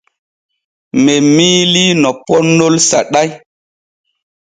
Men miilii no poonnol saɗay.